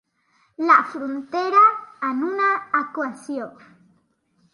La frontera en una equació.